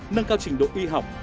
nâng cao trình độ y học